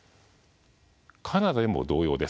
カナダでも同様です。